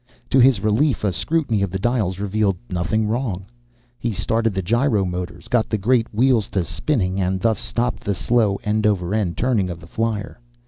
To his relief, a scrutiny of the dials revealed nothing wrong. He started the gyro motors, got the great wheels to spinning, and thus stopped the slow, end over end turning of the flier.